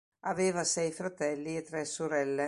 Aveva sei fratelli e tre sorelle.